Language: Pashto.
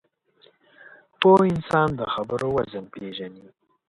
پوه انسان د خبرو وزن پېژني